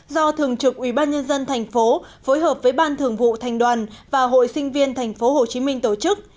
do thường trực ubnd tp phối hợp với ban thường vụ thành đoàn và hội sinh viên tp hcm tổ chức